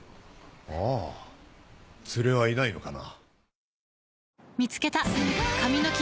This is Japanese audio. ああ連れはいないのかな。